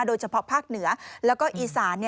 โดยเฉพาะภาคเหนือแล้วก็อีสาน